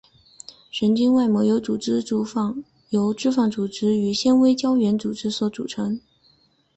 神经外膜由脂肪组织与纤维胶原组织所组成。